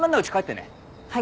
はい。